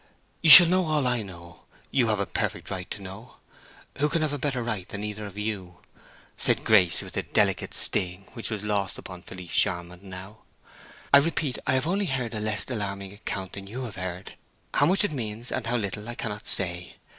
"You shall know all I know—you have a perfect right to know—who can have a better than either of you?" said Grace, with a delicate sting which was lost upon Felice Charmond now. "I repeat, I have only heard a less alarming account than you have heard; how much it means, and how little, I cannot say.